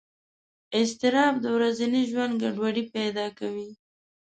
اضطراب د ورځني ژوند ګډوډۍ پیدا کوي.